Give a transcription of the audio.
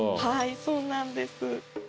はいそうなんです。